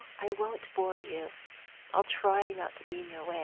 I won't bore you. I'll try not to be in your way."